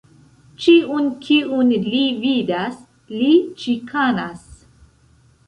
Ĉiun, kiun li vidas, li ĉikanas.